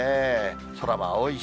空も青いし。